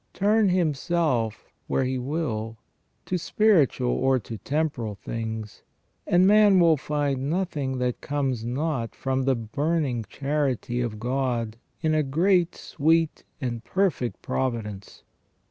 Turn himself where he will, to spiritual or to temporal things, and man will find nothing that comes not from the burning charity of God in a great, sweet, and perfect providence.